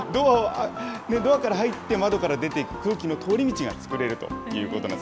ドアから入って窓から出ていく空気の通り道が作れるということなんです。